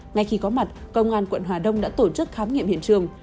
ngay khi có mặt công an quận hà đông đã tổ chức khám nghiệm hiện trường